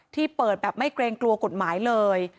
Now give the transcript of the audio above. ที่เปิดแบบไม่เกรงกลัวกฎหมายเลย